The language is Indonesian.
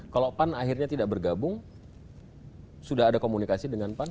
kalau pan akhirnya tidak bergabung sudah ada komunikasi dengan pan